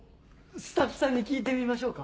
スタッフさんに聞いてみましょうか？